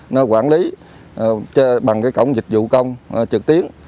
nó quản lý bằng cổng dịch vụ công trực tiến